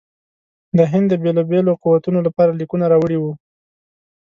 د هند د بېلو بېلو قوتونو لپاره لیکونه راوړي وه.